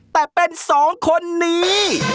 แต่เป็นสองคนนี้